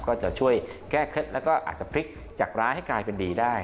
ก็จะช่วยแก้เคล็ดแล้วก็อาจจะพลิกจากร้ายให้กลายเป็นดีได้